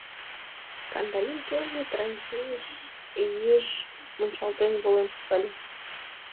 Кандалин келге траншейыш йыж-ж мунчалтен волен шогале.